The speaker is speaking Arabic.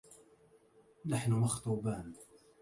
نحن مخطوبان